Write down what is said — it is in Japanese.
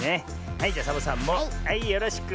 はいじゃサボさんもはいよろしく。